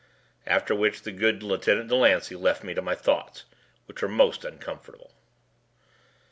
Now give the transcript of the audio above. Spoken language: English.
After which the good Lieutenant Delancey left me to my thoughts which were most uncomfortable.